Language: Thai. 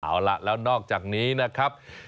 เอาล่ะแล้วนอกจากนี้นะครับ